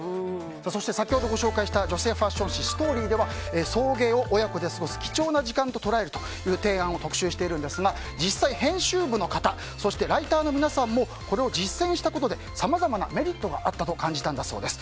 そして先ほどご紹介した女性ファッション誌「ＳＴＯＲＹ」では送迎を親子で過ごす貴重な時間と捉えるという提案を特集しているんですが実際、編集部の方そしてライターの皆さんもこれを実践したことでさまざまなメリットがあったと感じたんだそうです。